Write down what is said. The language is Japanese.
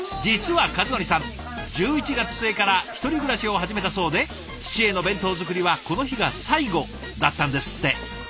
実は和範さん１１月末から一人暮らしを始めたそうで父への弁当作りはこの日が最後だったんですって。